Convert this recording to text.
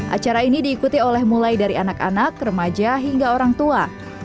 acara ini diikuti oleh mulai dari anak anak remaja hingga orang tua